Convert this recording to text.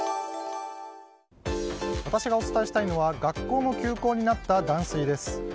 私がお伝えしたいのは学校も休校になった断水です。